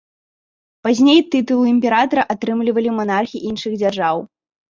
Пазней тытул імператара атрымлівалі манархі іншых дзяржаў.